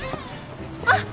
あっ！